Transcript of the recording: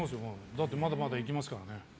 だってまだまだ、いけますからね。